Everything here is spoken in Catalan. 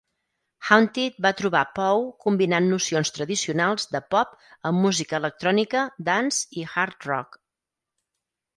"Haunted" va trobar Poe combinant nocions tradicionals de pop amb música electrònica, dance i hard rock.